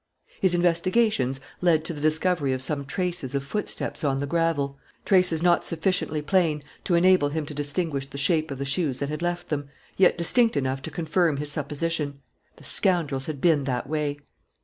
His investigations led to the discovery of some traces of footsteps on the gravel, traces not sufficiently plain to enable him to distinguish the shape of the shoes that had left them, yet distinct enough to confirm his supposition. The scoundrels had been that way.